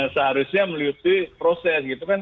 seharusnya meliuti proses gitu kan